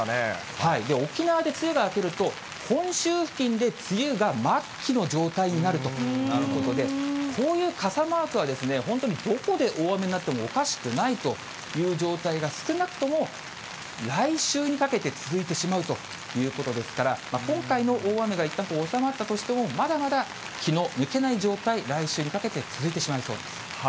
沖縄で梅雨が明けると、本州付近で梅雨が末期の状態になるということで、こういう傘マークは、本当にどこで大雨になってもおかしくないという状態が、少なくとも来週にかけて続いてしまうということですから、今回の大雨がいったん収まったとしても、まだまだ気の抜けない状態、来週にかけて続いてしまいそうです。